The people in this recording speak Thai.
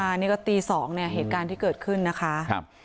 ค่ะนี่ก็ตี๒เนี่ยเหตุการณ์ที่เกิดขึ้นนะคะ